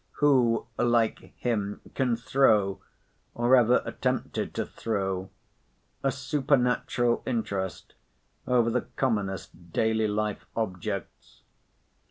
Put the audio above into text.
Who like him can throw, or ever attempted to throw, a supernatural interest over the commonest daily life objects?